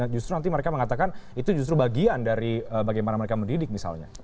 justru nanti mereka mengatakan itu justru bagian dari bagaimana mereka mendidik misalnya